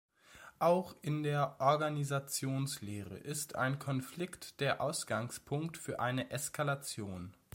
Auch in der Organisationslehre ist ein Konflikt der Ausgangspunkt für eine Eskalation.